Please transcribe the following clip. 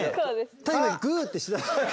単にグーってしてた。